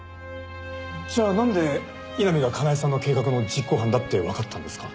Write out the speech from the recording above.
じゃあなんで井波が叶絵さんの計画の実行犯だってわかったんですか？